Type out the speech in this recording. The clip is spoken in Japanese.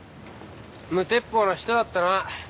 無鉄砲な人だったな。